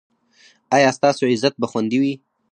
ایا ستاسو عزت به خوندي وي؟